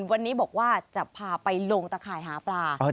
วันนี้บอกว่าจะพาไปลงตะข่ายหาปลา